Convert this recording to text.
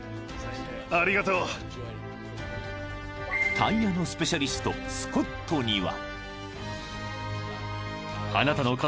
［タイヤのスペシャリストスコットには］